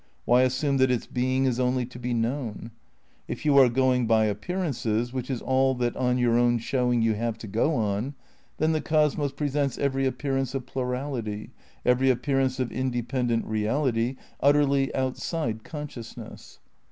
Why assume that its being is only to be known ? If you are going by appearances, which is all that on your own showing you have to go on, then the cosmos presents every appearance of plurality, every appearance of in dependent reahty utterly outside consciousness.